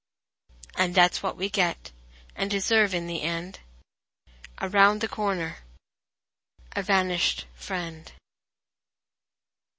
And that s what we get, and deserve in the end Around the corner, a vanished friend.